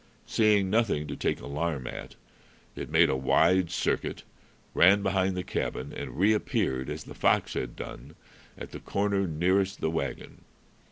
Seeing nothing to take alarm at, it made a wide circuit, ran behind the cabin, and reappeared, as the fox had done, at the corner nearest the wagon.